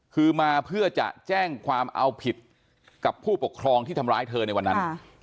คือมาเพื่อจะแจ้งความเอาผิดกับผู้ปกครองที่ทำร้ายเธอในวันนั้น